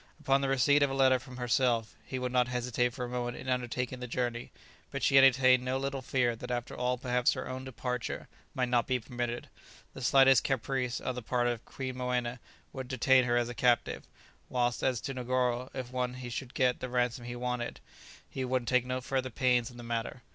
Upon the receipt of a letter from herself, he would not hesitate for a moment in undertaking the journey, but she entertained no little fear that after all perhaps her own departure might not be permitted; the slightest caprice on the part of Queen Moena would detain her as a captive, whilst as to Negoro, if once he should get the ransom he wanted, he would take no further pains in the matter.